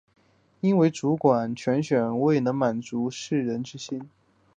因为主管铨选未能满足士人之心。